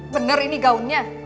bener ini gaunnya